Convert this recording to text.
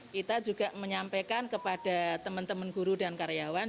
kita juga menyampaikan kepada teman teman guru dan karyawan